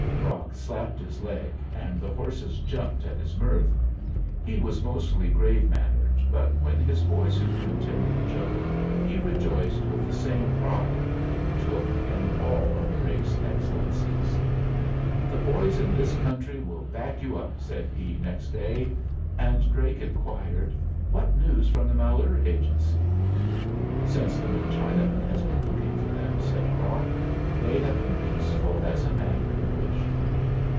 Brock slapped his leg, and the horses jumped at his mirth. He was mostly grave mannered, but when his boy superintendent joked, he rejoiced with the same pride that he took in all of Drake's excellences. "The boys in this country will back you up," said he, next day; and Drake inquired: "What news from the Malheur Agency?" "Since the new Chinaman has been cooking for them," said Brock, "they have been peaceful as a man could wish."